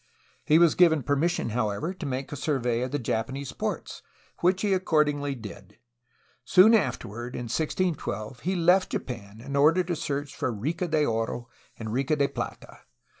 He was given permission, how ever, to make a survey of Japanese ports, which he accord ingly did. Soon afterward, in 1612, he left Japan in order to search for Rica de Oro and Rica de Plata.